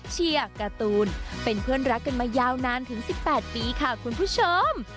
เชียร์การ์ตูนเป็นเพื่อนรักกันมายาวนานถึง๑๘ปีค่ะคุณผู้ชม